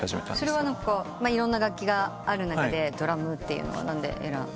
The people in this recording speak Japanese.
それはいろんな楽器がある中でドラムっていうのは何で選ばれた？